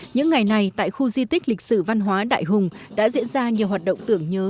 những ngày này tại khu di tích lịch sử văn hóa đại hùng đã diễn ra nhiều hoạt động tưởng nhớ